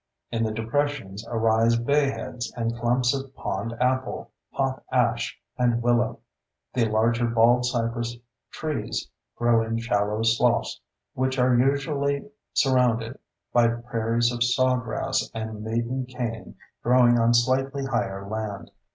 In the depressions arise bayheads and clumps of pond apple, pop ash, and willow. The larger baldcypress trees grow in shallow sloughs, which are usually surrounded by prairies of sawgrass and maiden cane growing on slightly higher land.